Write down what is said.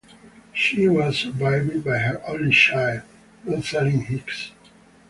She was survived by her only child, Rosalind Hicks.